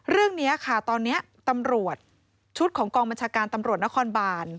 เรื่องนี้ค่ะตอนนี้ตำรวจชุดของกองบัญชาการตำรวจนครบาน